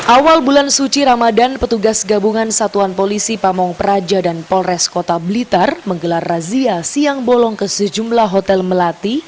awal bulan suci ramadan petugas gabungan satuan polisi pamong praja dan polres kota blitar menggelar razia siang bolong ke sejumlah hotel melati